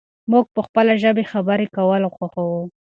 موږ په خپله ژبه خبرې کول خوښوو.